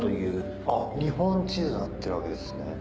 あっ日本地図になってるわけですね。